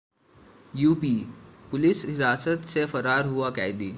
UP police हिरासत से फरार हुआ कैदी